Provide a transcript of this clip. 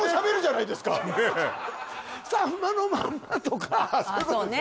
「さんまのまんま」とかあそうね